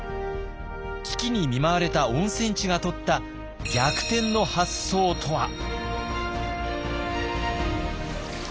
危機に見舞われた温泉地がとった逆転の発想とは？